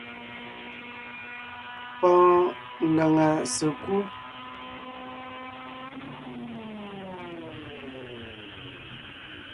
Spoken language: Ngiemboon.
Pɔɔn ngaŋa sèkú .